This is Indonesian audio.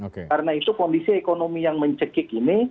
karena itu kondisi ekonomi yang mencekik ini